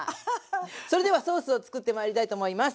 それではソースをつくってまいりたいと思います。